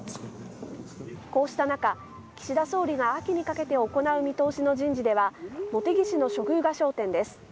こうした中、岸田総理が秋にかけて行う見通しの人事では茂木氏の処遇が焦点です。